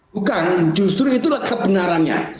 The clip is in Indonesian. bukan justru itulah kebenarannya